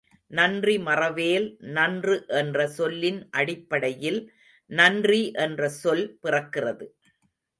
நன்றி மறவேல் நன்று என்ற சொல்லின் அடிப்படையில் நன்றி என்ற சொல் பிறக்கிறது.